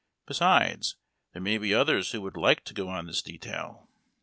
Besides, there may be others who would like to go on this detail."